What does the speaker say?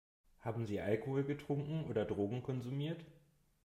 Haben Sie Alkohol getrunken oder Drogen konsumiert?